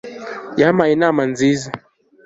yampaye inama nziza